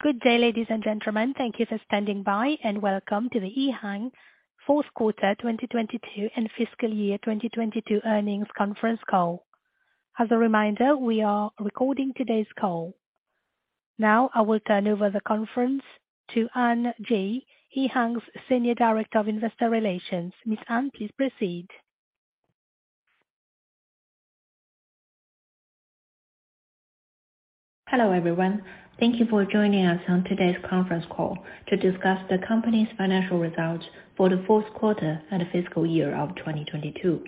Good day ladies and gentlemen. Thank you for standing by and welcome to the EHang fourth quarter 2022 and fiscal year 2022 earnings conference call. As a reminder, we are recording today's call. Now I will turn over the conference to Anne Ji, EHang's Senior Director of Investor Relations. Miss Anne, please proceed. Hello, everyone. Thank you for joining us on today's conference call to discuss the company's financial results for the fourth quarter and fiscal year of 2022.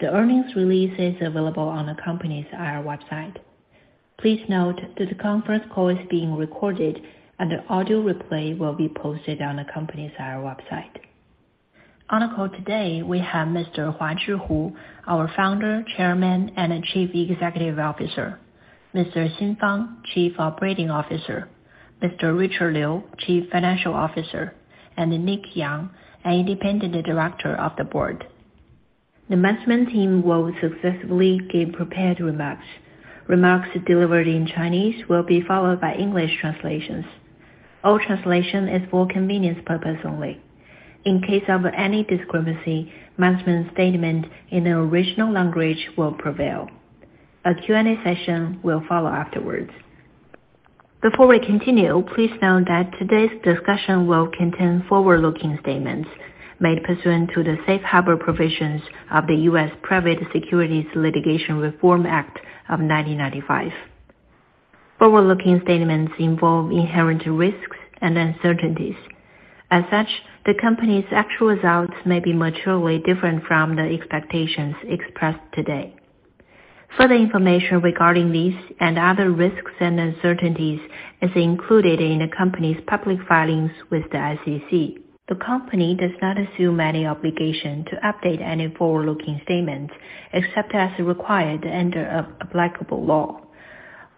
The earnings release is available on the company's IR website. Please note that the conference call is being recorded and the audio replay will be posted on the company's IR website. On the call today, we have Mr. Huazhi Hu, our Founder, Chairman, and Chief Executive Officer, Mr. Xin Fang, Chief Operating Officer, Mr. Richard Liu, Chief Financial Officer, and Nick Yang, an Independent Director of the Board. The management team will successively give prepared remarks. Remarks delivered in Chinese will be followed by English translations. All translation is for convenience purpose only. In case of any discrepancy, management's statement in the original language will prevail. A Q&A session will follow afterwards. Before we continue, please note that today's discussion will contain forward-looking statements made pursuant to the safe harbor provisions of the Private Securities Litigation Reform Act of 1995. Forward-looking statements involve inherent risks and uncertainties. As such, the company's actual results may be materially different from the expectations expressed today. Further information regarding these and other risks and uncertainties is included in the company's public filings with the SEC. The company does not assume any obligation to update any forward-looking statements except as required under applicable law.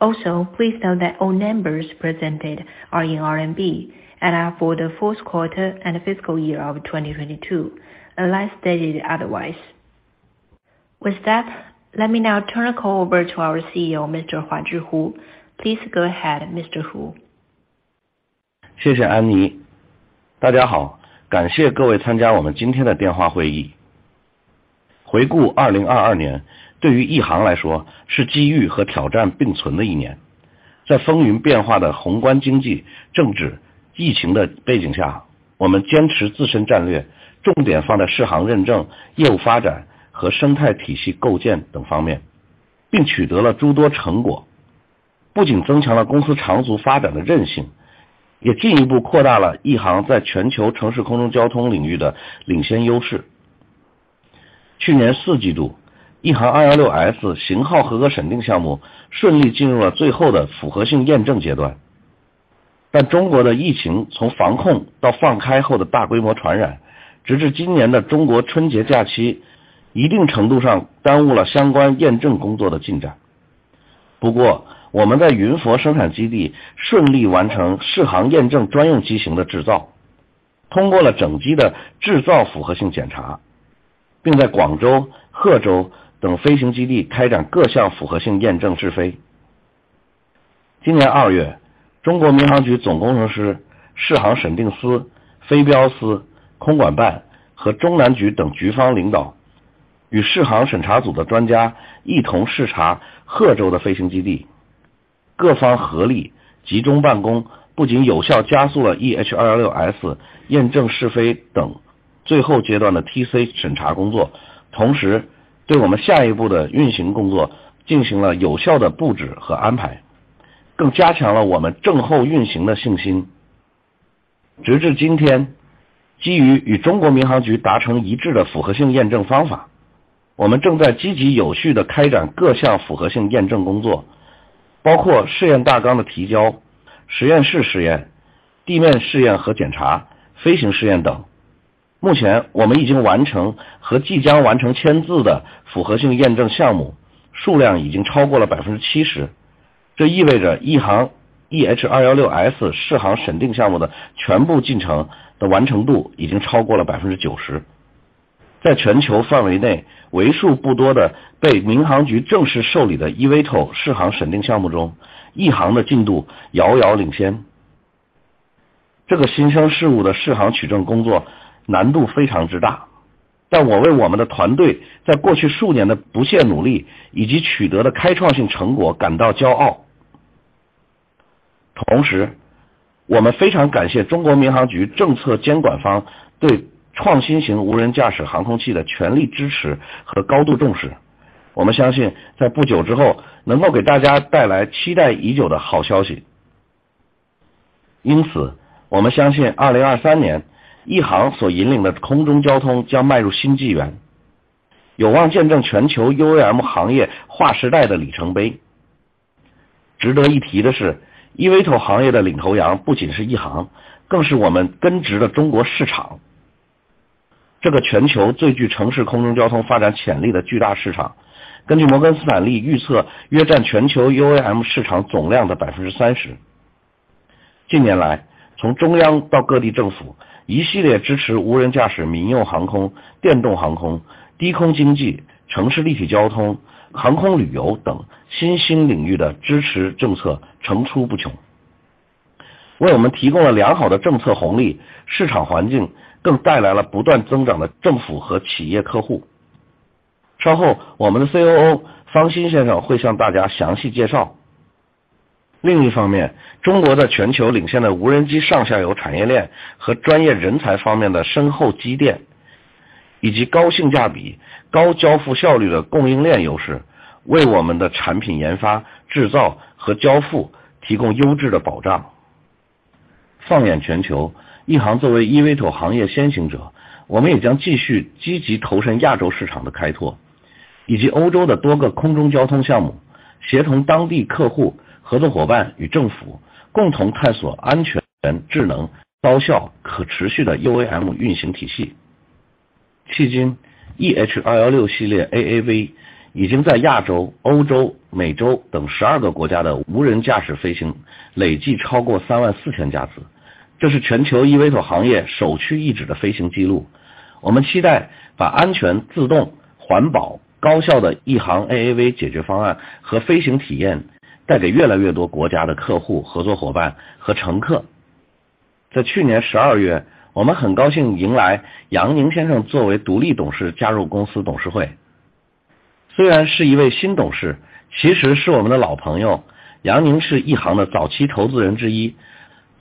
Also, please note that all numbers presented are in RMB and are for the fourth quarter and fiscal year of 2022, unless stated otherwise. With that, let me now turn the call over to our CEO, Mr. Huazhi Hu. Please go ahead, Mr. Hu. 谢谢安妮。大家 好， 感谢各位参加我们今天的电话会议。回顾2022 年， 对于亿航来说是机遇和挑战并存的一年。在风云变化的宏观经济、政治、疫情的背景 下， 我们坚持自身战 略， 重点放在适航认证、业务发展和生态体系构建等方 面， 并取得了诸多成 果， 不仅增强了公司长足发展的韧 性， 也进一步扩大了亿航在全球城市空中交通领域的领先优势。去年四季 度， 亿航 216S 型号合格审定项目顺利进入了最后的符合性验证阶段。但中国的疫情从防控到放开后的大规模传 染， 直至今年的中国春节假期，一定程度上耽误了相关验证工作的进展。不 过， 我们在云浮生产基地顺利完成适航验证专用机型的制 造， 通过了整机的制造符合性检 查， 并在广州、贺州等飞行基地开展各项符合性验证试飞。今年2 月， 中国民航局总工程师、适航审定司、飞标司、空管办和中南局等局方领导与适航审查组的专家一同视察贺州的飞行基地。各方合力集中办 公， 不仅有效加速了 EH216-S 验证试飞等最后阶段的 TC 审查工 作， 同时对我们下一步的运行工作进行了有效的布置和安 排， 更加强了我们证后运行的信心。直至今 天， 基于与中国民航局达成一致的符合性验证方法，我们正在积极有序地开展各项符合性验证工 作， 包括试验大纲的提交、实验室试验、地面试验和检查、飞行试验等。目前我们已经完成和即将完成签字的符合性验证项目数量已经超过了百分之七 十， 这意味着亿航 EH216-S 适航审定项目的全部进程的完成度已经超过了百分之九十。在全球范围内为数不多的被民航局正式受理的 eVTOL 适航审定项目 中， 亿航的进度遥遥领先。这个新生事物的适航取证工作难度非常之 大， 但我为我们的团队在过去数年的不懈努力以及取得的开创性成果感到骄傲。同 时， 我们非常感谢中国民航局政策监管方对创新型无人驾驶航空器的全力支持和高度重视。我们相信在不久之后能够给大家带来期待已久的好消息。因 此， 我们相信2023年亿航所引领的空中交通将迈入新纪 元， 有望见证全球 UAM 行业划时代的里程碑。值得一提的是 ，eVTOL 行业的领头羊不仅是亿 航， 更是我们根植的中国市场，这个全球最具城市空中交通发展潜力的巨大市 场， 根据摩根斯坦利预 测， 约占全球 UAM 市场总量的百分之三十。近年 来， 从中央到各地政府 ...一 系列支持无人驾驶民用航空、电动航空、低空经济、城市立体交通、航空旅游等新兴领域的支持政策层出不 穷， 为我们提供了良好的政策红 利， 市场环境更带来了不断增长的政府和企业客户。稍后我们的 COO 方鑫先生会向大家详细介绍。另一方 面， 中国的全球领先的无人机上下游产业链和专业人才方面的深厚积 淀， 以及高性价比、高交付效率的供应链优 势， 为我们的产品研发、制造和交付提供优质的保障。放眼全球，一航作为 EVTOL 行业先行 者， 我们也将继续积极投身亚洲市场的开 拓， 以及欧洲的多个空中交通项 目， 协同当地客户、合作伙伴与政 府， 共同探索安全、智能、高效、可持续的 UAM 运行体系。迄今 ，EH216 系列 AAV 已经在亚洲、欧洲、美洲等十二个国家的无人驾驶飞行累计超过三万四千架 次， 这是全球 EVTOL 行业首屈一指的飞行记录。我们期待把安全、自动、环保、高效的一航 AAV 解决方案和飞行体验带给越来越多国家的客户、合作伙伴和乘客。在去年十二 月， 我们很高兴迎来杨宁先生作为独立董事加入公司董事会。虽然是一位新董 事， 其实是我们的老朋友。杨宁是一航的早期投资人之一，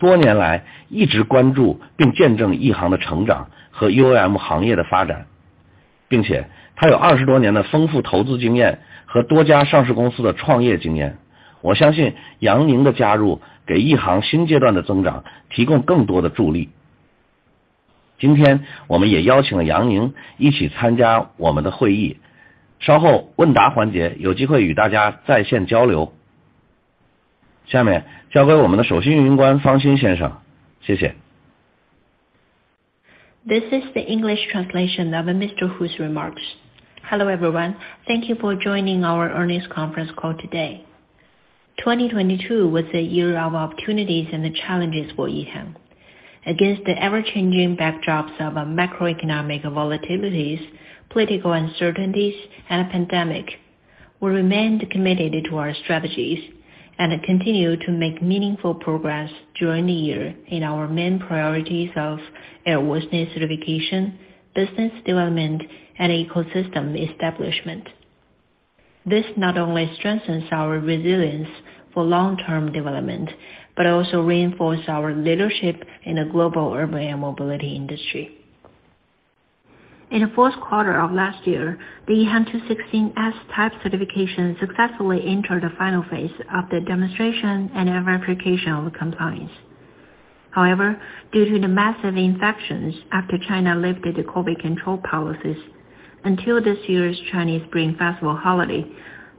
多年来一直关注并见证了一航的成长和 UAM 行业的发 展， 并且他有二十多年的丰富投资经验和多家上市公司的创业经验。我相信杨宁的加入给一航新阶段的增长提供更多的助力。今天我们也邀请了杨宁一起参加我们的会 议， 稍后问答环节有机会与大家在线交流。下面交给我们的首席运营官方鑫先 生， 谢谢。This is the English translation of Mr. Hu's remarks. Hello everyone, thank you for joining our earnings conference call today. 2022 was a year of opportunities and challenges for EHang. Against the ever-changing backdrops of a macroeconomic volatilities, political uncertainties and pandemic, we remained committed to our strategies and continued to make meaningful progress during the year in our main priorities of airworthiness certification, business development and ecosystem establishment. This not only strengthens our resilience for long-term development, but also reinforce our leadership in the global urban air mobility industry. In the fourth quarter of last year, the EH216-S type certification successfully entered the final phase of the demonstration and verification of compliance. Due to the massive infections after China lifted the COVID control policies, until this year's Chinese Spring Festival holiday,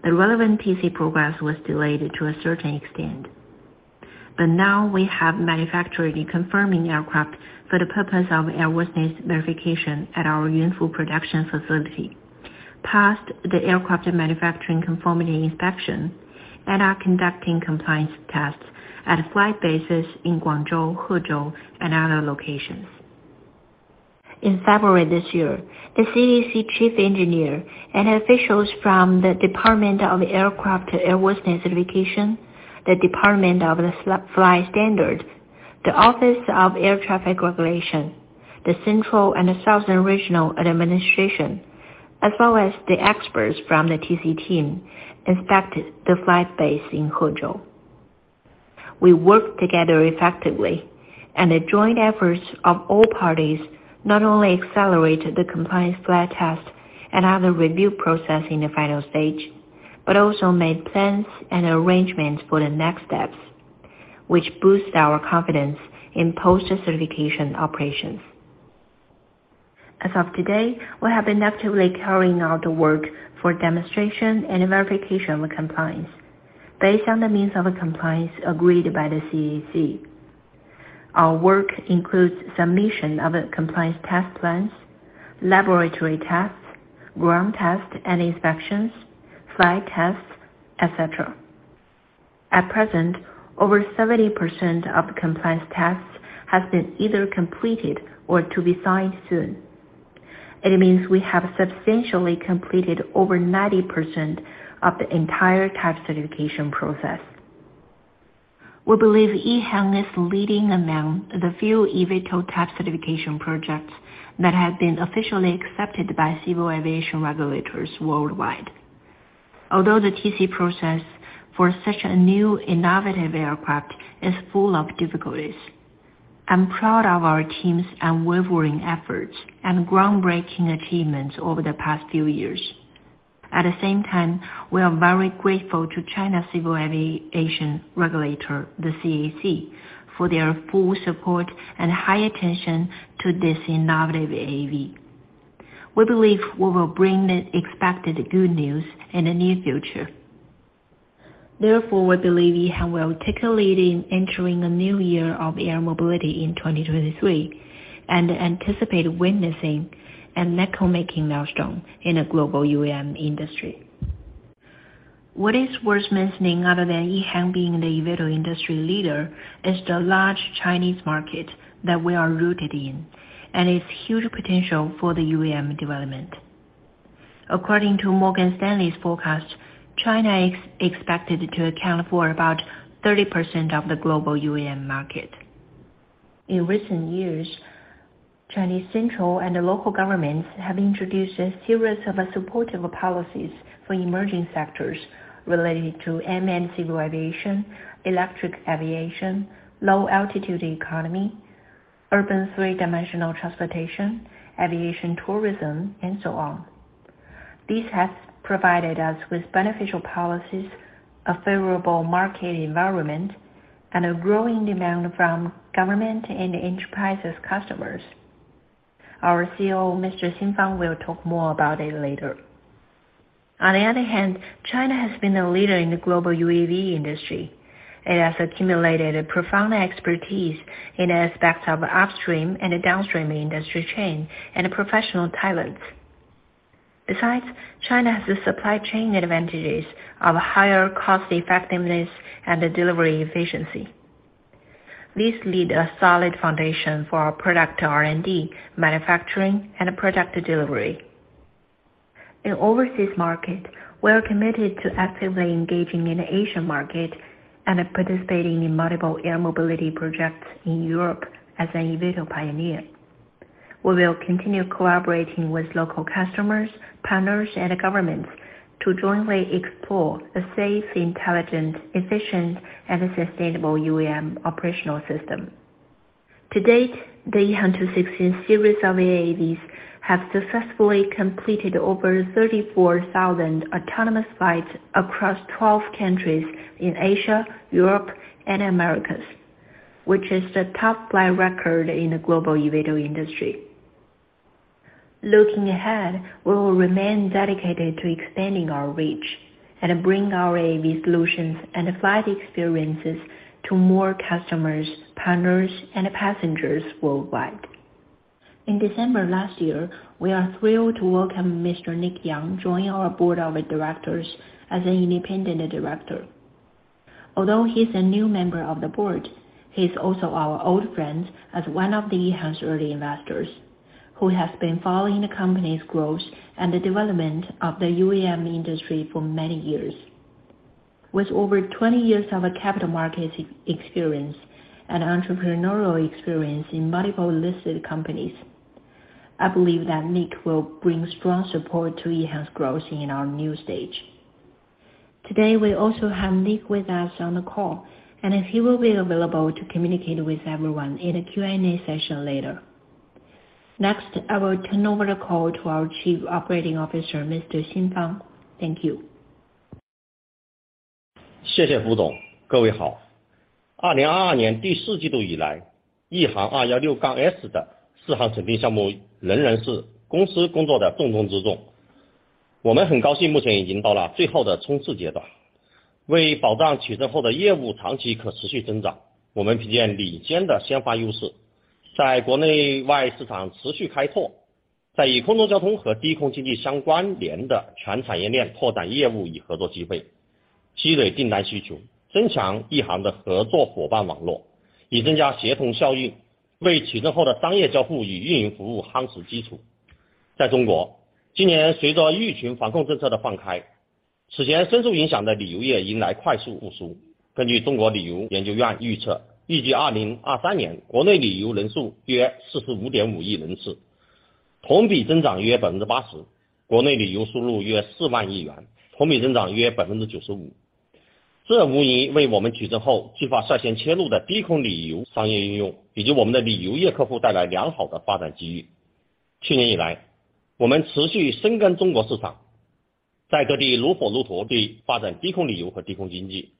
the relevant TC progress was delayed to a certain extent. Now we have manufactured the conforming aircraft for the purpose of airworthiness verification at our Yunfu production facility. Passed the aircraft manufacturing conformity inspection and are conducting compliance tests at flight bases in Guangzhou, Hezhou and other locations. In February this year, the CAAC Chief Engineer and officials from the Department of Aircraft Airworthiness Certification, the Flight Standards Department, the Office of Air Traffic Regulation, the Central and Southern Regional Administration, as well as the experts from the TC team inspected the flight base in Hezhou. We worked together effectively. The joint efforts of all parties not only accelerated the compliance flight test and other review process in the final stage, but also made plans and arrangements for the next steps, which boost our confidence in post certification operations. As of today, we have been actively carrying out the work for demonstration and verification of compliance based on the means of compliance agreed by the CAAC. Our work includes submission of compliance test plans, laboratory tests, ground tests and inspections, flight tests, etc. At present, over 70% of compliance tests has been either completed or to be signed soon. It means we have substantially completed over 90% of the entire type certification process. We believe EHang is leading among the few eVTOL type certification projects that have been officially accepted by civil aviation regulators worldwide. Although the TC process for such a new innovative aircraft is full of difficulties, I'm proud of our team's unwavering efforts and groundbreaking achievements over the past few years. At the same time, we are very grateful to China Civil Aviation Regulator, the CAAC, for their full support and high attention to this innovative AAV. We believe we will bring the expected good news in the near future. We believe EHang will take a lead in entering the new year of air mobility in 2023 and anticipate witnessing and record-making milestone in a global UAM industry. What is worth mentioning other than EHang being the eVTOL industry leader is the large Chinese market that we are rooted in, and its huge potential for the UAM development. According to Morgan Stanley's forecast, China is expected to account for about 30% of the global UAM market. In recent years, Chinese central and local governments have introduced a series of supportive policies for emerging sectors related to unmanned civil aviation, electric aviation, low altitude economy, urban three-dimensional transportation, aviation tourism and so on. This has provided us with beneficial policies, a favorable market environment, and a growing demand from government and enterprises customers. Our CEO, Mr. Xin Fang, will talk more about it later. On the other hand, China has been a leader in the global UAV industry. It has accumulated a profound expertise in aspects of upstream and downstream industry chain and professional talents. Besides, China has the supply chain advantages of higher cost effectiveness and delivery efficiency. These lead a solid foundation for our product R&D, manufacturing and product delivery. In overseas market, we are committed to actively engaging in Asian market and participating in multiple air mobility projects in Europe as an eVTOL pioneer. We will continue collaborating with local customers, partners and governments to jointly explore a safe, intelligent, efficient and sustainable UAM operational system. To date, the EHang 216 series of AAVs have successfully completed over 34,000 autonomous flights across 12 countries in Asia, Europe and Americas, which is the top flight record in the global eVTOL industry. Looking ahead, we will remain dedicated to expanding our reach and bring our AAV solutions and flight experiences to more customers, partners and passengers worldwide. In December last year, we are thrilled to welcome Mr. Nick Yang join our board of directors as an independent director. Although he is a new member of the board, he is also our old friend as one of the EHang's early investors who has been following the company's growth and the development of the UAM industry for many years. With over 20 years of capital market experience and entrepreneurial experience in multiple listed companies, I believe that Nick will bring strong support to EHang's growth in our new stage. Today, we also have Nick with us on the call, and he will be available to communicate with everyone in a Q&A session later. I will turn over the call to our Chief Operating Officer, Mr. Xin Fang. Thank you. 谢谢吴总。各位好 ，2022 年第四季度以 来， 亿航 216-S 的市场审批项目仍然是公司工作的重中之重。我们很高兴目前已经到了最后的冲刺阶段。为保障取证后的业务长期可持续增 长， 我们凭借领先的先发优 势， 在国内外市场持续开 拓， 在与空中交通和低空经济相关联的全产业链拓展业务与合作机 会， 积累订单需 求， 增强艺行的合作伙伴网 络， 以增加协同效 应， 为取证后的商业交付与运营服务夯实基础。在中 国， 今年随着疫情防控政策的放 开， 此前深受影响的旅游业迎来快速复苏。根据中国旅游研究院预测，预计2023年国内旅游人数约四十五点五亿人 次， 同比增长约百分之八 十， 国内旅游收入约四万亿 元， 同比增长约百分之九十五。这无疑为我们取证后计划率先切入的低空旅游商业应 用， 以及我们的旅游业客户带来良好的发展机遇。去年以 来， 我们持续深耕中国市 场， 在各地如火如荼地发展低空旅游和低空经济、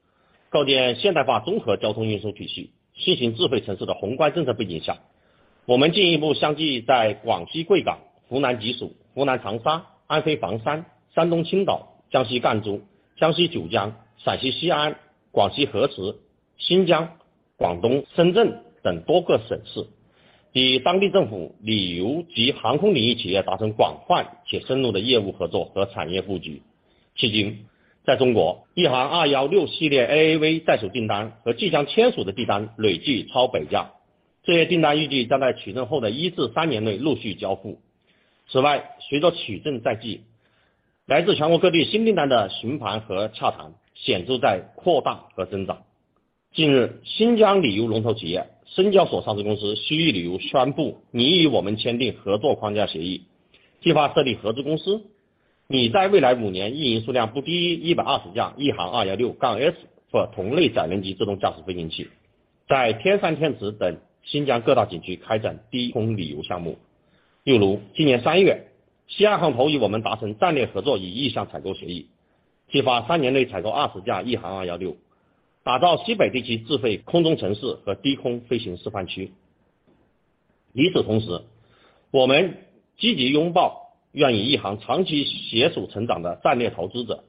构建现代化综合交通运输体系、新型智慧城市的宏观政策背景 下， 我们进一步相继在广西桂港、湖南吉首、湖南长沙、安徽黄山、山东青岛、江西赣州、江西九江、陕西西安、广西河池、新疆、广东深圳等多个省 市， 与当地政府、旅游及航空领域企业达成广泛且深入的业务合作和产业布局。迄今，在中 国， 亿航216系列 AAV 在手订单和即将签署的订单累计超百 架， 这些订单预计将在取证后的一至三年内陆续交付。此 外， 随着取证在 即， 来自全国各地新订单的询盘和洽谈显著在扩大和增长。近 日， 新疆旅游龙头企业、深交所上市公司西域旅游宣布拟与我们签订合作框架协 议， 计划设立合资公司，拟在未来五年运营数量不低於一百二十架亿航 216-S 或同类载人级自动驾驶飞行 器， 在天山、天池等新疆各大景区开展低空旅游项目。例如今年三 月， 西安航通与我们达成战略合作意向采购协 议， 计划三年内采购二十架亿航 216， 打造西北地区智慧空中城市和低空飞行示范区。与此同 时， 我们积极拥抱愿意与亿航长期携手成长的战略投资者。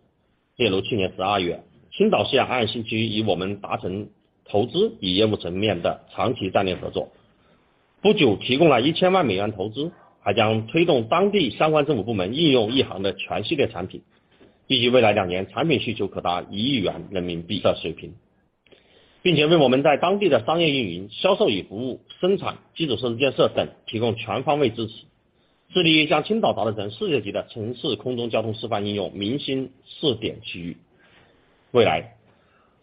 例如去年十二 月， 青岛西亚航空兴趣与我们达成投资与业务层面的长期战略合作不久提供了一千万美元投资还将推动当地相关政府部门应用一航的全系列产品预计未来两年产品需求可达到一亿元人民币的水平并且为我们在当地的商业运营、销售与服务、生产、基础设施建设等提供全方位支持致力将青岛打造成世界级的城市空中交通示范应用明星试点区域。未 来，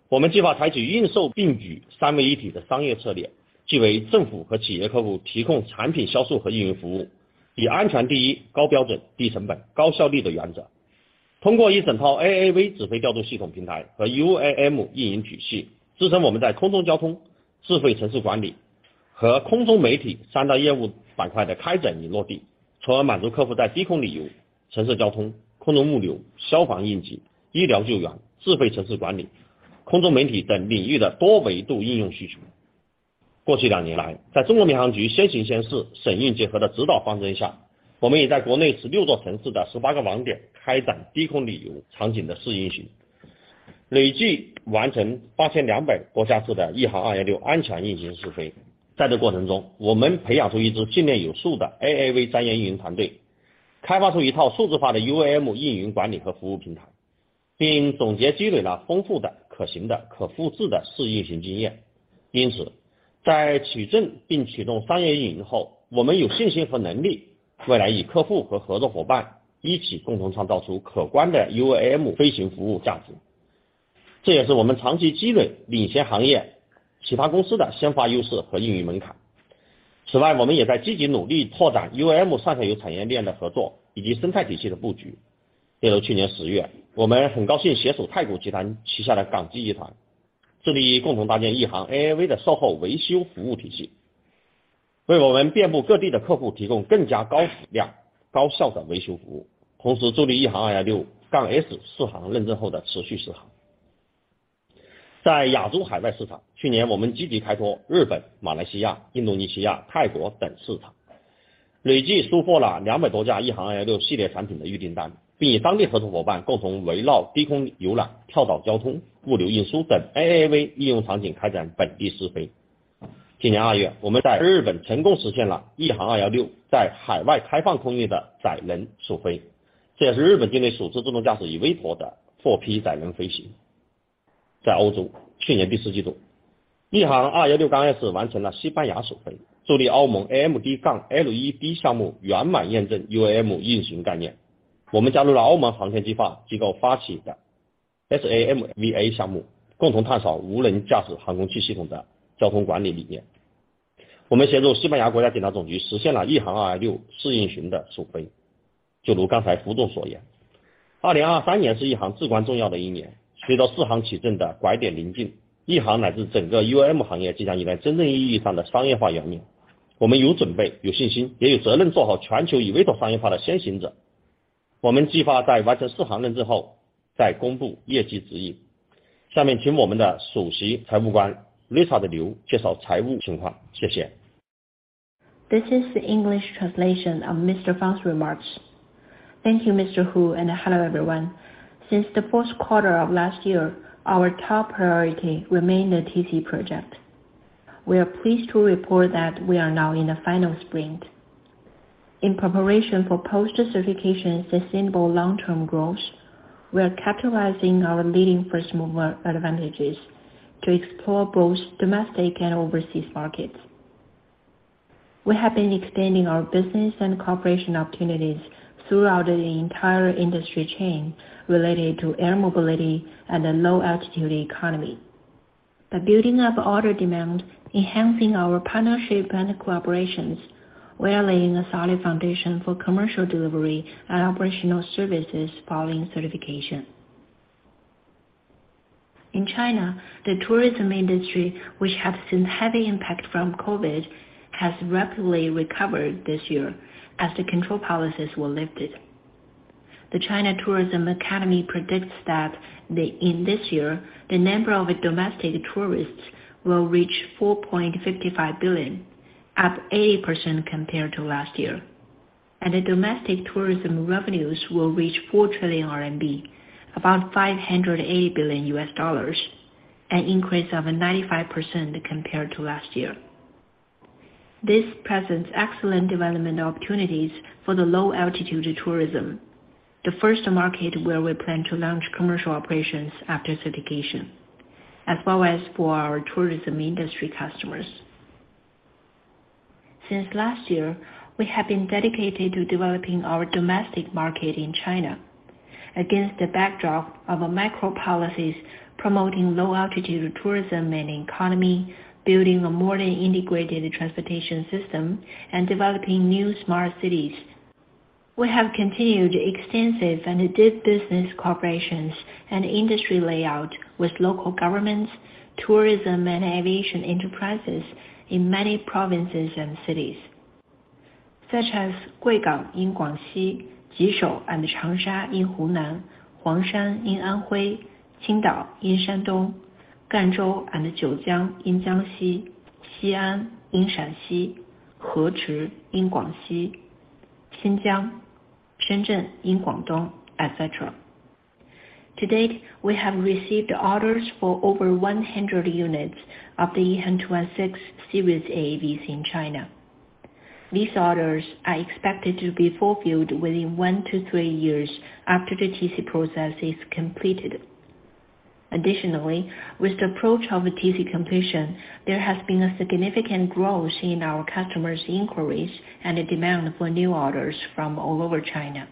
我们计划采取运售并举、三位一体的商业策略即为政府和企业客户提供产品销售和运营服务以安全第一、高标准、低成本、高效率的原则通过一整套 AAV 指挥调度系统平台和 UAM 运营体系支撑我们在空中交通、智慧城市管理和空中媒体三大业务板块的开展与落地从而满足客户在低空旅游、城市交通、空中物流、消防应急、医疗救援、智慧城市管理、空中媒体等领域的多维度应用需求。过去两年来在中国民航局先行先试、审运结合的指导方针下我们也在国内十六座城市的十八个网点开展低空旅游场景的试运行累计完成八千两百国家级的一航216安全运行试飞在这过程中我们培养出一支经验有素的 AAV 专业运营团队开发出一套数字化的 UAM 运营管理和服务平台并总结积累了丰富的、可行的、可复制的试运行经验因 此， 在取证并启动商业运营后我们有信心和能力未来与客户和合作伙伴一起共同创造出可观的 UAM 飞行服务价值这也是我们长期积累领先行业其他公司的先发优势和运营门槛此外我们也在积极努力拓展 UAM 上下游产业链的合作以及生态体系的布局例如去年十月我们很高兴携手太古集团旗下的港机集团致力共同搭建一航 AAV 的售后维修服务体系为我们遍布各地的客户提供更加高质量、高效的维修服务同时助力一航 216-S 适航认证后的持续适航。在亚洲海外市场去年我们积极开拓日本、马来西亚、印度尼西亚、泰国等市场累计输货了两百多架一航 A6 系列产品的预订单并与当地合作伙伴共同围绕低空游览、跳岛交通、物流运输等 AAV 应用场景开展本地试飞今年二月我们在日本成功实现了一航216在海外开放空域的载人首飞这也是日本境内首次自动驾驶以微托的货批载人飞行。在欧洲去年第四季度一航 216-S 完成了西班牙首飞助力欧盟 AMD-LEB 项目圆满验证 UAM 运行概念我们加入了欧盟航天计划机构发起的 SAMVA 项目共同探索无人驾驶航空器系统的交通管理理念我们协助西班牙国家警察总局实现了一航216试运行的首飞。就如刚才胡董所言2023年是一航至关重要的一年随着适航取证的拐点临近一航乃至整个 UAM 行业即将迎来真正意义上的商业化元年我们有准 备， 有信心也有责任做好全球以微托商业化的先行者我们计划在完成适航认证后再公布业绩指引。下面请我们的首席财务官 Lisa Liu 介绍财务情 况， 谢谢。This is the English translation of Mr. Fang's remarks. Thank you, Mr. Hu. Hello, everyone. Since the fourth quarter of last year, our top priority remained the TC project. We are pleased to report that we are now in the final sprint in preparation for post-certification sustainable long-term growth. We are capitalizing our leading first-mover advantages to explore both domestic and overseas markets. We have been extending our business and cooperation opportunities throughout the entire industry chain related to air mobility and the low-altitude economy. By building up order demand, enhancing our partnership and collaborations, we are laying a solid foundation for commercial delivery and operational services following certification. In China, the tourism industry, which had seen heavy impact from COVID, has rapidly recovered this year as the control policies were lifted. The China Tourism Academy predicts that in this year the number of domestic tourists will reach 4.55 billion, up 80% compared to last year. The domestic tourism revenues will reach 4 trillion RMB RMB, about $580 billion, an increase of 95% compared to last year. This presents excellent development opportunities for the low-altitude tourism, the first market where we plan to launch commercial operations after certification, as well as for our tourism industry customers. Since last year, we have been dedicated to developing our domestic market in China. Against the backdrop of macro-policies promoting low-altitude tourism and economy, building a modern, integrated transportation system and developing new smart cities, we have continued extensive and deep business cooperations and industry layout with local governments, tourism and aviation enterprises in many provinces and cities, such as Guigang in Guangxi, Jishou and Changsha in Hunan, Huangshan in Anhui, Qingdao in Shandong, Ganzhou and Jiujiang in Jiangxi, Xi'an in Shaanxi, Hechi in Guangxi, Xinjiang, Shenzhen in Guangdong, etc. To date, we have received orders for over 100 units of the EH216 series AAVs in China. These orders are expected to be fulfilled within one to three years after the TC process is completed. Additionally, with the approach of TC completion, there has been a significant growth in our customers' inquiries and a demand for new orders from all over China.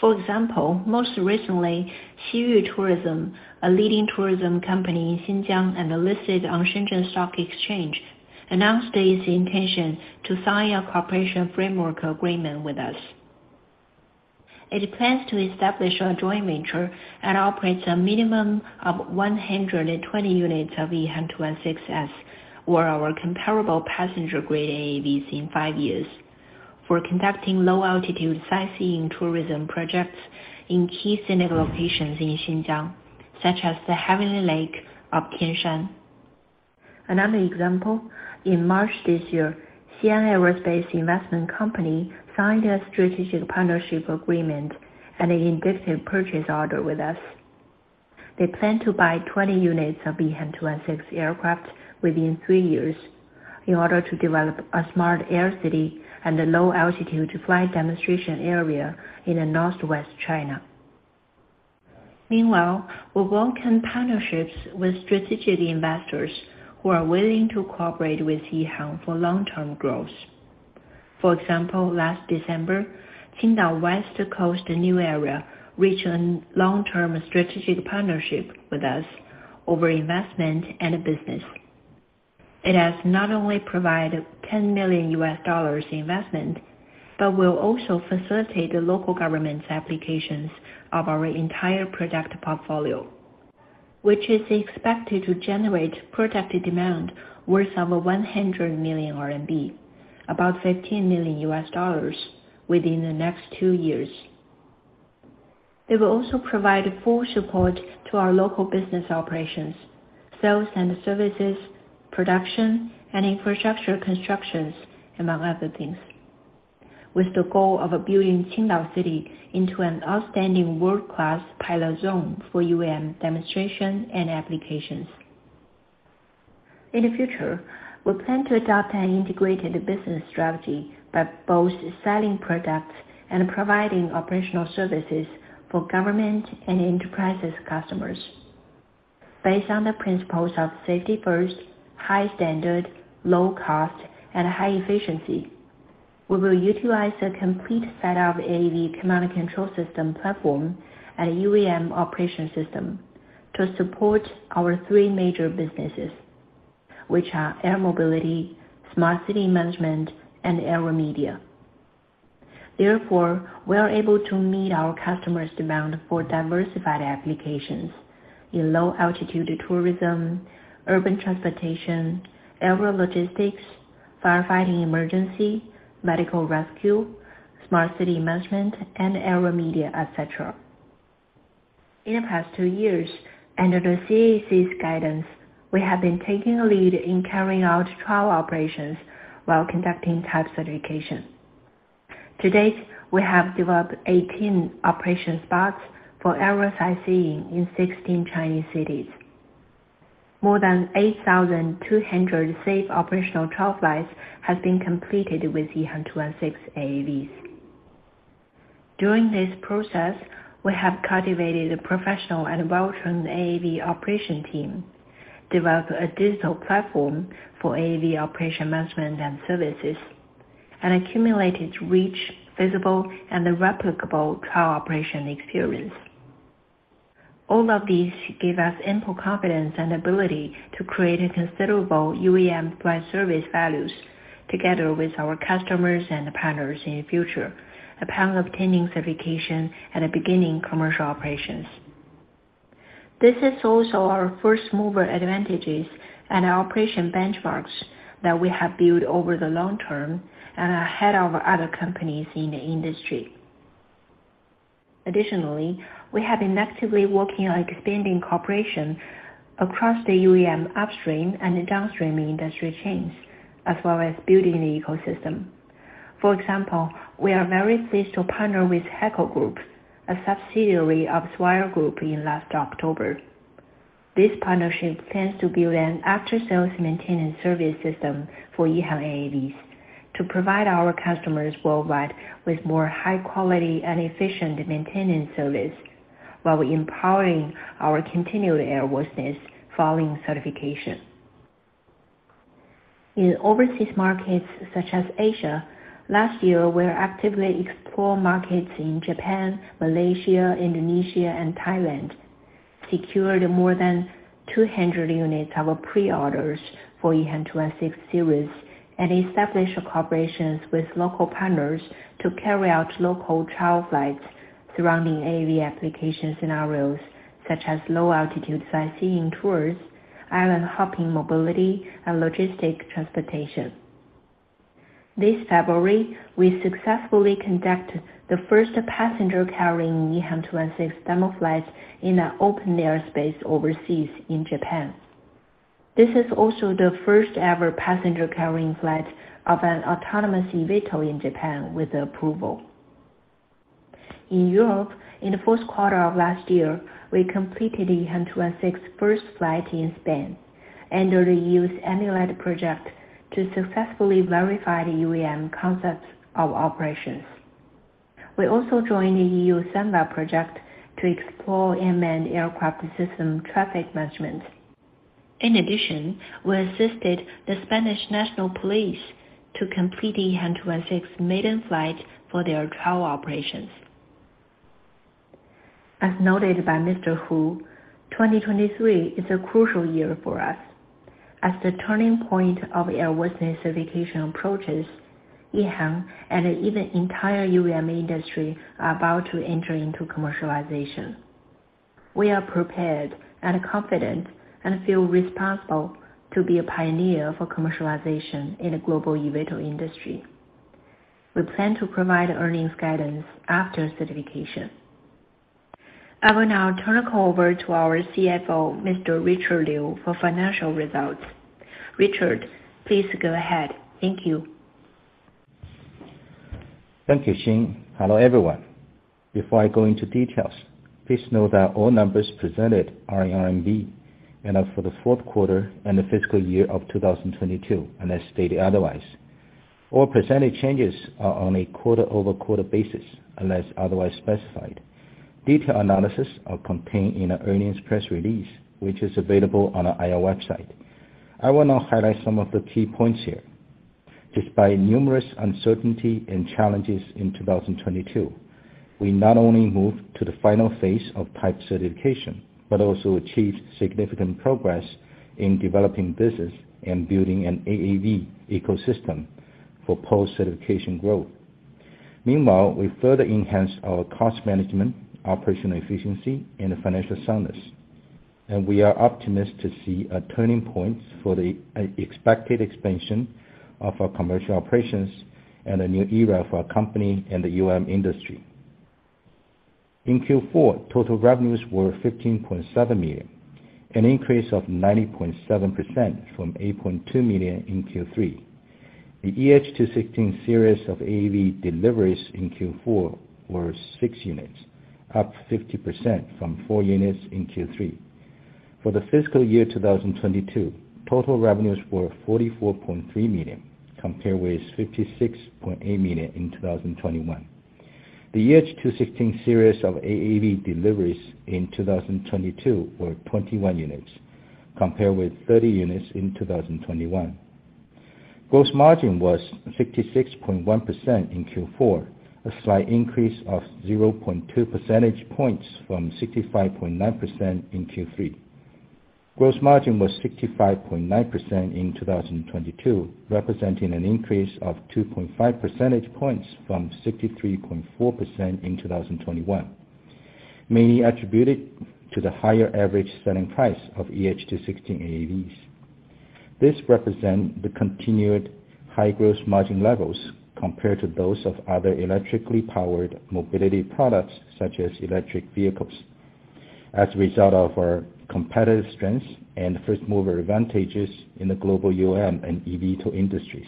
For example, most recently, Xiyu Tourism, a leading tourism company in Xinjiang and listed on Shenzhen Stock Exchange, announced its intention to sign a cooperation framework agreement with us. It plans to establish a joint venture and operates a minimum of 120 units of EH216-S or our comparable passenger grade AAVs in five years for conducting low altitude sightseeing tourism projects in key scenic locations in Xinjiang, such as the Heavenly Lake of Tianshan. Another example, in March this year, Xi'an Aerospace Investment Company signed a strategic partnership agreement and an indicative purchase order with us. They plan to buy 20 units of EH216 aircraft within three years in order to develop a smart air city and a low altitude flight demonstration area in northwest China. Meanwhile, we welcome partnerships with strategic investors who are willing to cooperate with EHang for long-term growth. For example, last December, Qingdao West Coast New Area reached a long-term strategic partnership with us over investment and business. It has not only provided $10 million investment, but will also facilitate the local government's applications of our entire product portfolio, which is expected to generate product demand worth over 100 million RMB, about $15 million within the next two years. They will also provide full support to our local business operations, sales and services, production, and infrastructure constructions, among other things, with the goal of building Qingdao City into an outstanding world-class pilot zone for UAM demonstration and applications. In the future, we plan to adopt an integrated business strategy by both selling products and providing operational services for government and enterprises customers. Based on the principles of safety first, high standard, low cost, and high efficiency, we will utilize a complete set of AAV command and control system platform and a UAM operation system to support our three major businesses, which are air mobility, smart city management, and aero media. We are able to meet our customers' demand for diversified applications in low altitude tourism, urban transportation, aero logistics, firefighting emergency, medical rescue, smart city management, and aero media, et cetera. In the past two years, under the CAAC's guidance, we have been taking a lead in carrying out trial operations while conducting type certification. To date, we have developed 18 operation spots for aero sightseeing in 16 Chinese cities. More than 8,200 safe operational trial flights have been completed with EH216 AAVs. During this process, we have cultivated a professional and well-trained AAV operation team, developed a digital platform for AAV operation management and services, and accumulated rich, feasible, and replicable trial operation experience. All of these give us ample confidence and ability to create a considerable UAM flight service values together with our customers and partners in the future upon obtaining certification and beginning commercial operations. This is also our first-mover advantages and operation benchmarks that we have built over the long term and ahead of other companies in the industry. Additionally, we have been actively working on expanding cooperation across the UAM upstream and downstream industry chains, as well as building the ecosystem. For example, we are very pleased to partner with HAECO Group, a subsidiary of Swire Group, in last October. This partnership tends to build an after-sales maintenance service system for EHang AAVs to provide our customers worldwide with more high-quality and efficient maintenance service while empowering our continued airworthiness following certification. In overseas markets such as Asia, last year, we actively explored markets in Japan, Malaysia, Indonesia, and Thailand, secured more than 200 units of pre-orders for EHang 216 series, and established collaborations with local partners to carry out local trial flights surrounding AAV application scenarios such as low-altitude sightseeing tours, island-hopping mobility, and logistics transportation. This February, we successfully conducted the first passenger-carrying EH216 demo flights in an open airspace overseas in Japan. This is also the first-ever passenger-carrying flight of an autonomous eVTOL in Japan with the approval. In Europe, in the fourth quarter of last year, we completed the 126 first flight in Spain. They used AMU-LED project to successfully verify the UAM concepts of operations. We also joined the EU SAMVA project to explore unmanned aircraft system traffic management. In addition, we assisted the Spanish National Police to complete the 126 maiden flight for their trial operations. As noted by Mr. Hu, 2023 is a crucial year for us, as the turning point of airworthiness certification approaches, EHang and even entire UAM industry are about to enter into commercialization. We are prepared and confident and feel responsible to be a pioneer for commercialization in a global eVTOL industry. We plan to provide earnings guidance after certification. I will now turn the call over to our CFO, Mr. Richard Liu, for financial results. Richard, please go ahead. Thank you. Thank you, Xin. Hello, everyone. Before I go into details, please know that all numbers presented are in RMB and are for the fourth quarter and the fiscal year of 2022, unless stated otherwise. All % changes are on a quarter-over-quarter basis, unless otherwise specified. Detailed analysis are contained in our earnings press release, which is available on our IR website. I will now highlight some of the key points here. Despite numerous uncertainty and challenges in 2022, we not only moved to the final phase of type certification, but also achieved significant progress in developing business and building an AAV ecosystem for post-certification growth. Meanwhile, we further enhanced our cost management, operational efficiency and financial soundness. We are optimistic to see a turning point for the expected expansion of our commercial operations and a new era for our company and the UAM industry. In Q4, total revenues were $15.7 million, an increase of 90.7% from 8.2 million in Q3. The EH216 series of AAV deliveries in Q4 were six units, up 50% from four units in Q3. For the fiscal year 2022, total revenues were 44.3 million, compared with 56.8 million in 2021. The EH216 series of AAV deliveries in 2022 were 21 units, compared with 30 units in 2021. Gross margin was 66.1% in Q4, a slight increase of 0.2 percentage points from 65.9% in Q3. Gross margin was 65.9% in 2022, representing an increase of 2.5 percentage points from 63.4% in 2021, mainly attributed to the higher average selling price of EH216 AAVs. This represent the continued high gross margin levels compared to those of other electrically powered mobility products, such as electric vehicles, as a result of our competitive strengths and first-mover advantages in the global UAM and eVTOL industries.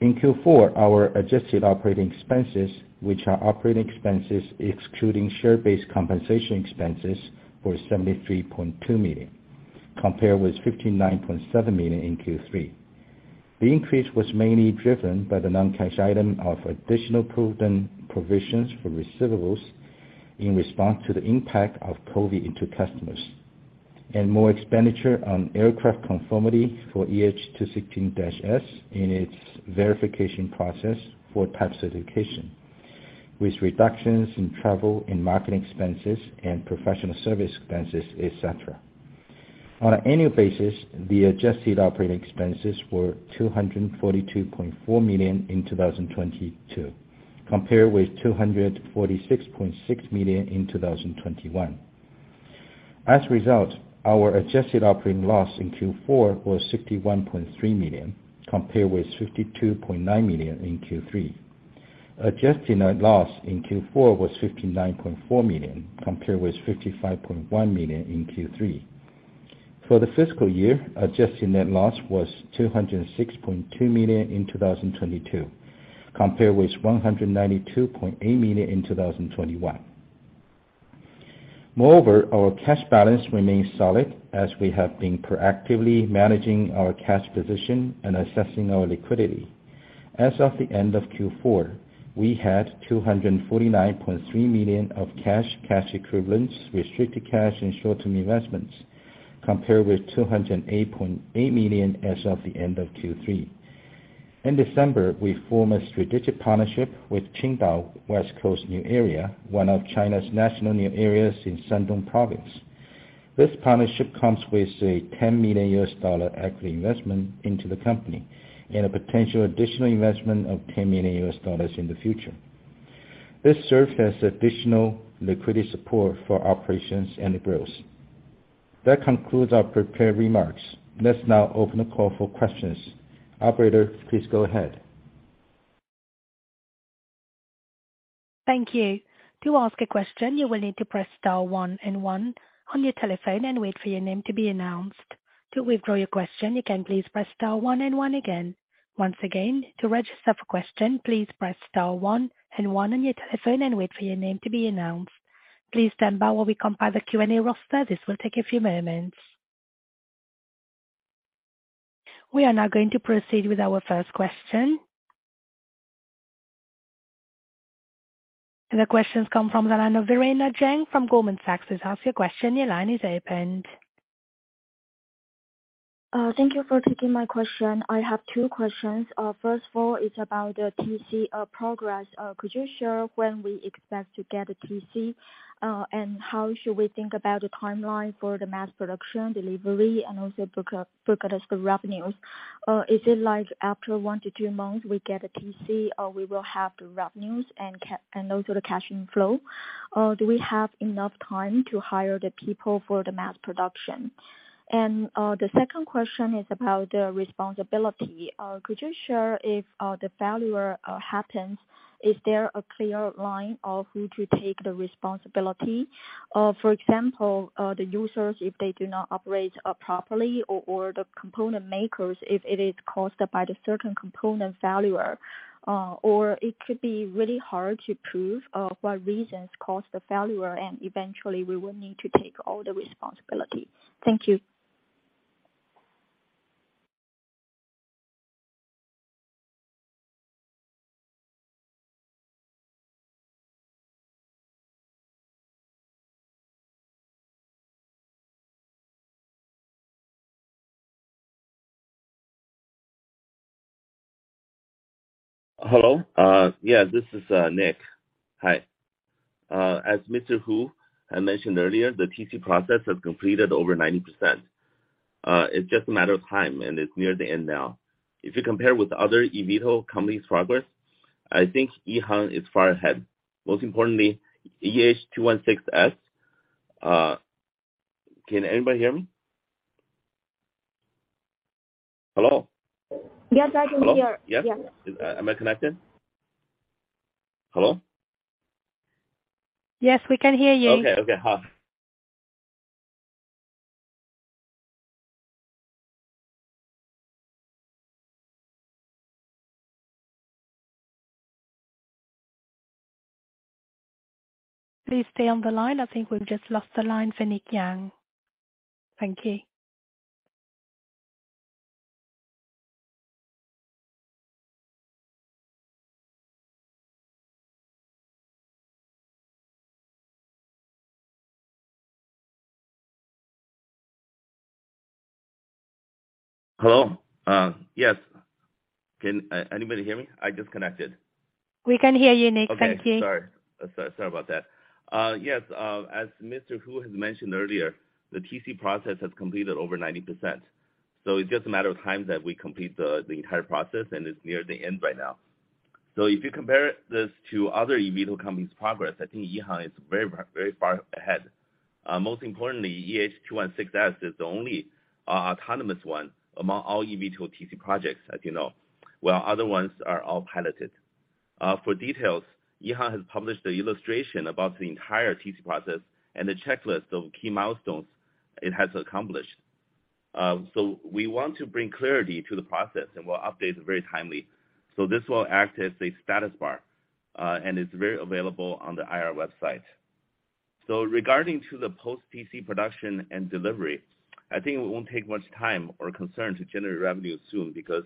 In Q4, our adjusted operating expenses, which are operating expenses excluding share-based compensation expenses, were 73.2 million, compared with 59.7 million in Q3. The increase was mainly driven by the non-cash item of additional proven provisions for receivables in response to the impact of COVID into customers, and more expenditure on aircraft conformity for EH216-S in its verification process for type certification, with reductions in travel and marketing expenses and professional service expenses, et cetera. On an annual basis, the adjusted operating expenses were 242.4 million in 2022, compared with 246.6 million in 2021. As a result, our adjusted operating loss in Q4 was $61.3 million, compared with 52.9 million in Q3. Adjusted net loss in Q4 was 59.4 million, compared with 55.1 million in Q3. For the fiscal year, adjusted net loss was 206.2 million in 2022, compared with 192.8 million in 2021. Moreover, our cash balance remains solid as we have been proactively managing our cash position and assessing our liquidity. As of the end of Q4, we had $249.3 million of cash equivalents, restricted cash and short-term investments, compared with 208.8 million as of the end of Q3. In December, we formed a strategic partnership with Qingdao West Coast New Area, one of China's national new areas in Shandong Province. This partnership comes with a RMB 10 million equity investment into the company and a potential additional investment of RMB 10 million in the future. This serves as additional liquidity support for operations and growth. That concludes our prepared remarks. Let's now open the call for questions. Operator, please go ahead. Thank you. To ask a question, you will need to press star one and one on your telephone and wait for your name to be announced. To withdraw your question, you can please press star one and one again. Once again, to register for question, please press star one and one on your telephone and wait for your name to be announced. Please stand by while we compile the Q&A roster. This will take a few moments. We are now going to proceed with our first question. The questions come from the line of Verena Jeng from Goldman Sachs. To ask your question, your line is opened. Thank you for taking my question. I have two questions. First of all, it's about the TC progress. Could you share when we expect to get a TC? And how should we think about the timeline for the mass production delivery and also prognosis for revenues? Is it like after one-two months we get a TC, or we will have the revenues and also the cash flow? Do we have enough time to hire the people for the mass production? The second question is about the responsibility. Could you share if the failure happens, is there a clear line of who to take the responsibility? For example, the users, if they do not operate properly or the component makers if it is caused by the certain component failure. It could be really hard to prove, what reasons caused the failure, and eventually we will need to take all the responsibility. Thank you. Hello. Yeah, this is Nick. Hi. As Mr. Hu had mentioned earlier, the TC process has completed over 90%. It's just a matter of time, and it's near the end now. If you compare with other eVTOL companies' progress, I think EHang is far ahead. Most importantly, EH216-S... Can anybody hear me? Hello? Yes, I can hear. Hello. Yes. Yes. Am I connected? Hello? Yes, we can hear you. Okay. Okay, hi. Please stay on the line. I think we've just lost the line for Nick Yang. Thank you. Hello? yes. Can anybody hear me? I disconnected. We can hear you, Nick. Thank you. Okay. Sorry about that. Yes, as Mr. Hu has mentioned earlier, the TC process has completed over 90%. It's just a matter of time that we complete the entire process, and it's near the end right now. If you compare this to other eVTOL companies' progress, I think EHang is very far ahead. Most importantly, EH216-S is the only autonomous one among all eVTOL TC projects, as you know, while other ones are all piloted. For details, EHang has published the illustration about the entire TC process and the checklist of key milestones it has accomplished. We want to bring clarity to the process, and we'll update very timely. This will act as a status bar, and it's very available on the IR website. Regarding to the post TC production and delivery, I think it won't take much time or concern to generate revenue soon because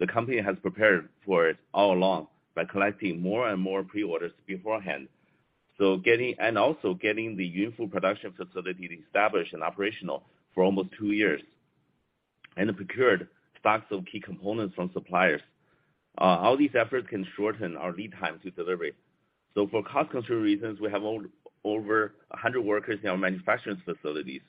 the company has prepared for it all along by collecting more and more pre-orders beforehand. Also getting the Yunfu production facility established and operational for almost two years, and it procured stocks of key components from suppliers. All these efforts can shorten our lead time to delivery. For cost control reasons, we have over 100 workers in our manufacturing facilities.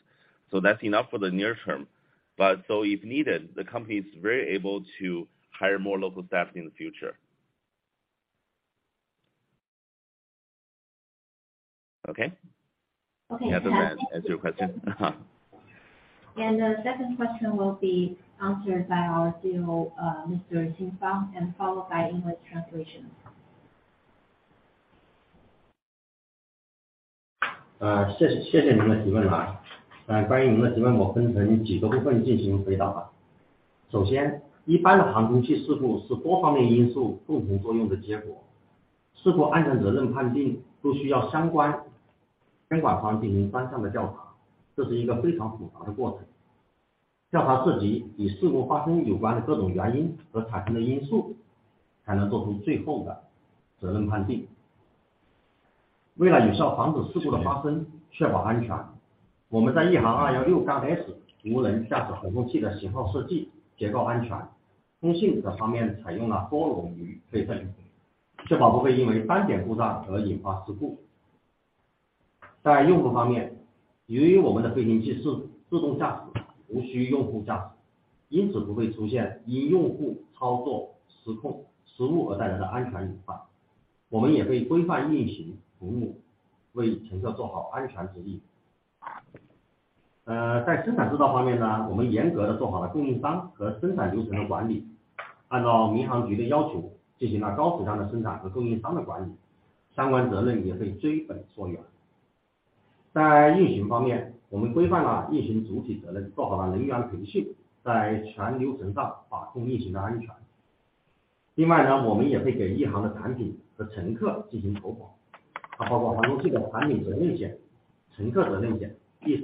Okay.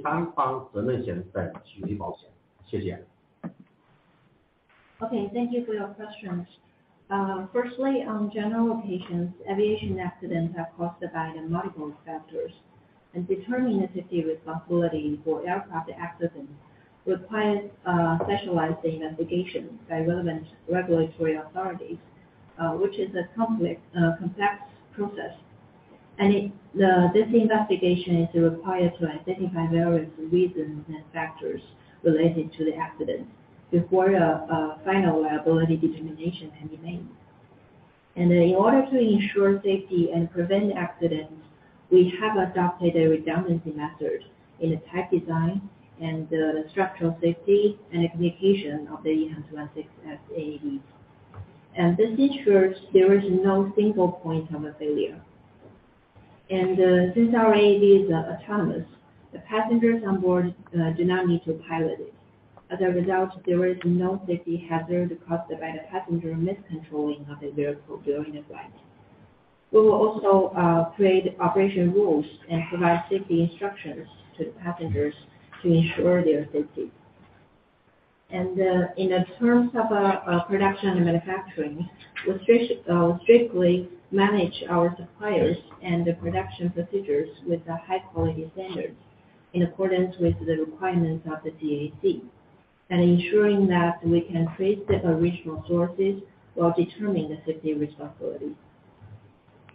Thank you for your questions. Firstly, on general locations, aviation accidents have caused by the multiple factors, determinative responsibility for aircraft accidents requires specialized investigation by relevant regulatory authorities, which is a complex process. This investigation is required to identify various reasons and factors related to the accident before a final liability determination can be made. In order to ensure safety and prevent accidents, we have adopted a redundancy method in the tech design and the structural safety and communication of the EH216 AAVs. This ensures there is no single point of a failure. Since our AAV is autonomous, the passengers on board do not need to pilot it. As a result, there is no safety hazard caused by the passenger miscontrolling of the vehicle during the flight. We will also create operation rules and provide safety instructions to passengers to ensure their safety. In the terms of production and manufacturing, we strictly manage our suppliers and the production procedures with the high quality standards in accordance with the requirements of the CAAC, and ensuring that we can trace the original sources while determining the safety responsibility.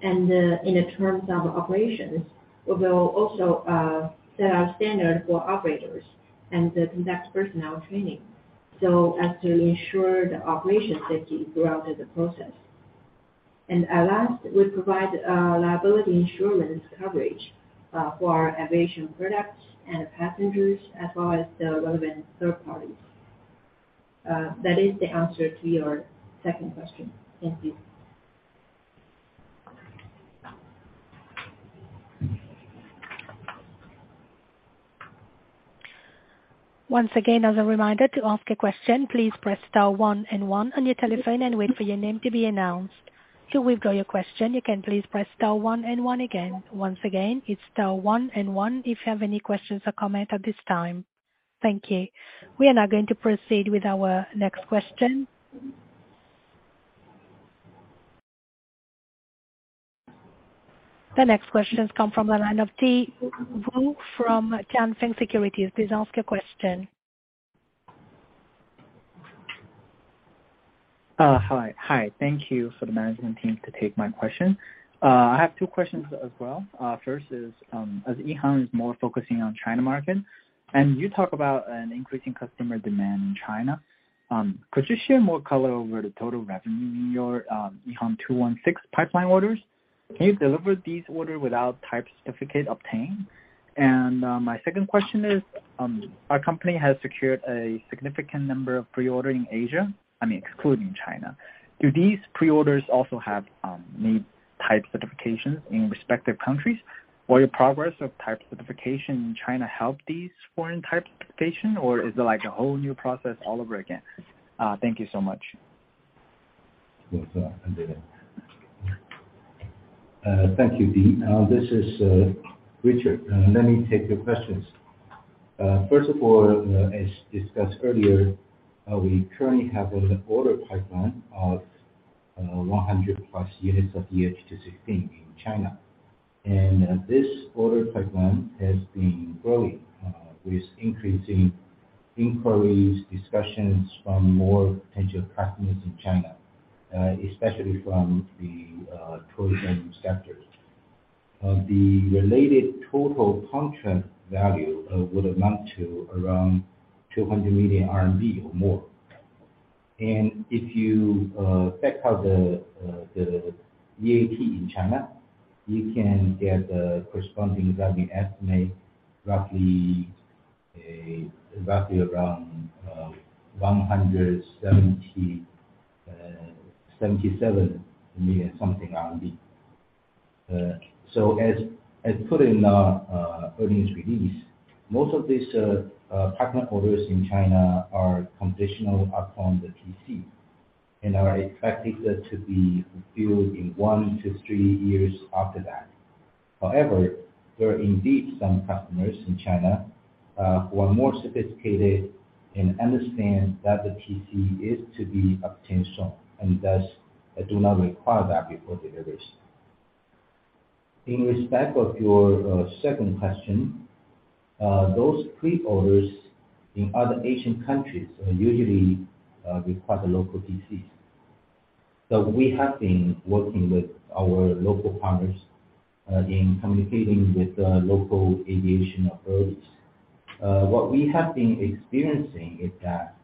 In the terms of operations, we will also set our standard for operators and conduct personnel training, so as to ensure the operation safety throughout the process. At last, we provide liability insurance coverage for our aviation products and passengers, as well as the relevant third parties. That is the answer to your second question. Thank you. Once again, as a reminder, to ask a question, please press star one and one on your telephone and wait for your name to be announced. To withdraw your question, you can please press star one and one again. Once again, it's star one and one if you have any questions or comment at this time. Thank you. We are now going to proceed with our next question. The next questions come from the line of Di Wu from Tianfeng Securities. Please ask your question. Hi. Hi. Thank you for the management team to take my question. I have two questions as well. First is, as EHang is more focusing on China market, you talk about an increasing customer demand in China, could you share more color over the total revenue in your EH216 pipeline orders? Can you deliver these order without type certificate obtained? My second question is, our company has secured a significant number of pre-order in Asia, I mean, excluding China. Do these pre-orders also have, need type certifications in respective countries? Will your progress of type certification in China help these foreign type certification or is it like a whole new process all over again? Thank you so much. Yes. I'll take it. Thank you, Di. This is Richard. Let me take your questions. First of all, as discussed earlier, we currently have an order pipeline of 100+ units of EH216 in China. This order pipeline has been growing, with increasing inquiries, discussions from more potential customers in China, especially from the tourism sectors. The related total contract value would amount to around 200 million RMB or more. If you factor the VAT in China, you can get the corresponding revenue estimate roughly around 177 million something. As put in our earnings release, most of these partner orders in China are conditional upon the TC and are expected to be fulfilled in one to three years after that. However, there are indeed some customers in China who are more sophisticated and understand that the TC is to be obtained soon, and thus do not require that before deliveries. In respect of your second question, those pre-orders in other Asian countries usually require the local TCs. We have been working with our local partners in communicating with the local aviation authorities. What we have been experiencing is that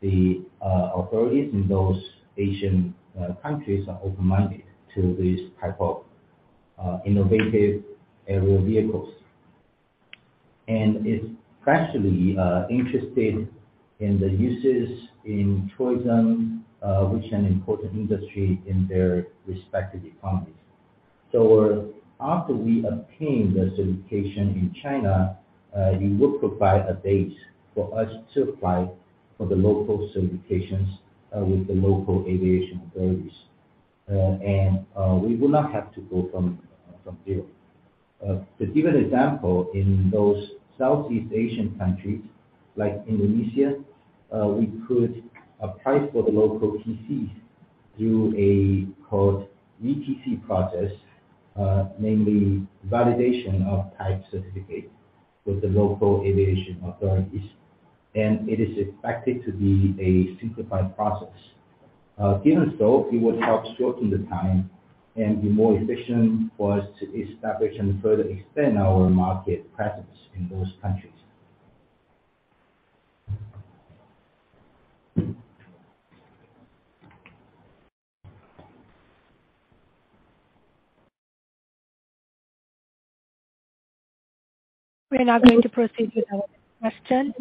the authorities in those Asian countries are open-minded to this type of innovative aerial vehicles. It's practically interested in the uses in tourism, which an important industry in their respective economies. After we obtain the certification in China, it will provide a base for us to apply for the local certifications with the local aviation authorities. We will not have to go from zero. To give an example, in those Southeast Asian countries like Indonesia, we could apply for the local TCs through a called VTC process, namely validation of type certificate with the local aviation authorities, and it is expected to be a simplified process. Given still, it would help shorten the time and be more efficient for us to establish and further extend our market presence in those countries. We are now going to proceed with our question.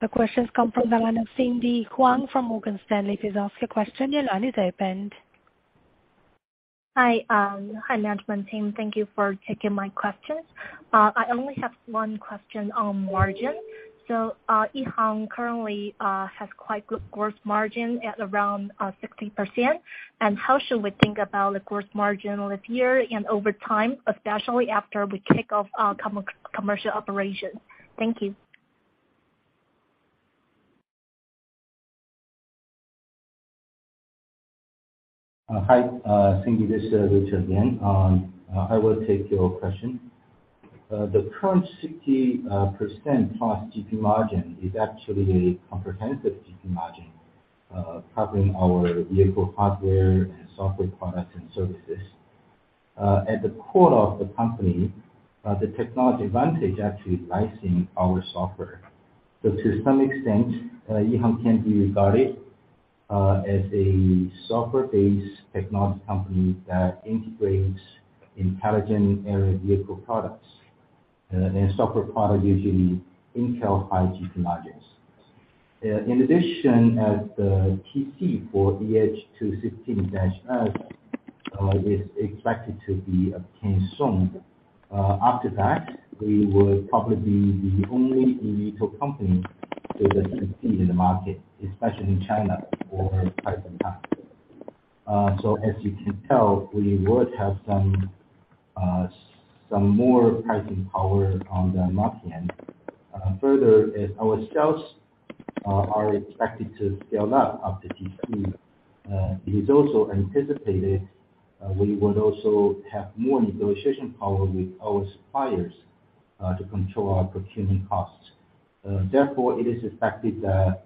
The questions come from the line of Cindy Huang from Morgan Stanley. Please ask your question. Your line is open. Hi. Hi, management team. Thank you for taking my questions. I only have one question on margin. EHang currently has quite good gross margin at around 60%. How should we think about the gross margin this year and over time, especially after we kick off commercial operations? Thank you. Hi, Cindy Huang. This is Richard Liu. I will take your question. The current 60% gross GP margin is actually a comprehensive GP margin, covering our vehicle hardware and software products and services. At the core of the company, the technology advantage actually lies in our software. To some extent, EHang can be regarded as a software-based technology company that integrates intelligent aerial vehicle products. Software product usually entails high GP margins. In addition, as the TC for EH216-S is expected to be obtained soon. After that, we will probably be the only eVTOL company with a TC in the market, especially in China, for quite some time. As you can tell, we would have some more pricing power on the demand end. Further, as our sales, are expected to scale up after TC, it is also anticipated, we would also have more negotiation power with our suppliers, to control our procurement costs. It is expected that,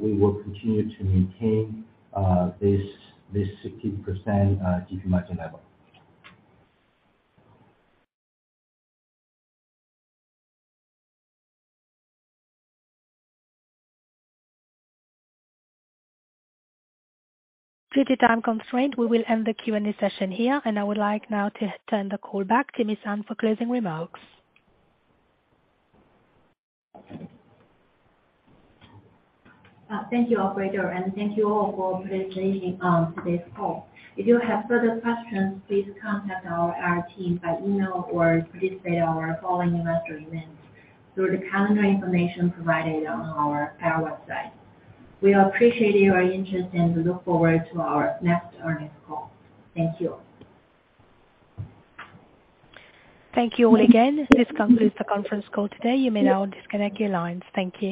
we will continue to maintain, this 60% GP margin level. Due to time constraint, we will end the Q&A session here, and I would like now to turn the call back to Nissan for closing remarks. Thank you, operator. Thank you all for participating on today's call. If you have further questions, please contact our team by email or participate in our following investor events through the calendar information provided on our website. We appreciate your interest and we look forward to our next earnings call. Thank you. Thank you all again. This concludes the conference call today. You may now disconnect your lines. Thank you.